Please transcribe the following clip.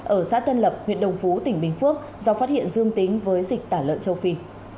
ở xã tân lập huyện đồng phú tỉnh bình phước do phát hiện dương tính với dịch tả lợn châu phi